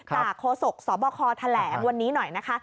โคศกสบคแถลงวันนี้หน่อยนะคะ